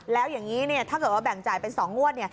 แล้วอย่างนี้ถ้าเกิดว่าแบ่งจ่ายเป็น๒งวด